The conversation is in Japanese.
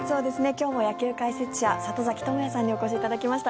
今日も野球解説者里崎智也さんにお越しいただきました。